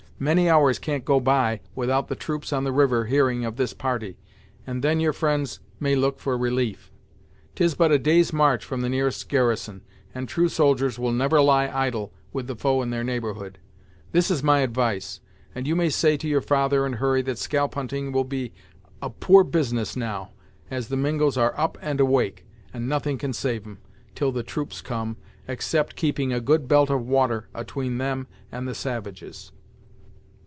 Many hours can't go by without the troops on the river hearing of this party, and then your fri'nds may look for relief. 'Tis but a day's march from the nearest garrison, and true soldiers will never lie idle with the foe in their neighborhood. This is my advice, and you may say to your father and Hurry that scalp hunting will be a poor business now, as the Mingos are up and awake, and nothing can save 'em, 'till the troops come, except keeping a good belt of water atween 'em and the savages."